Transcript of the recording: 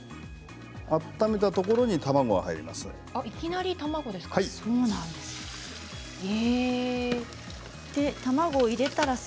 温めたところに卵が入ります。